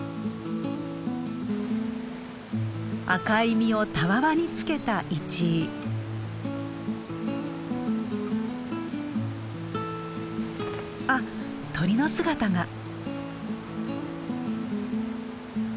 赤い実をたわわにつけたあっ鳥の姿が。